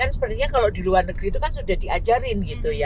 sepertinya kalau di luar negeri itu kan sudah diajarin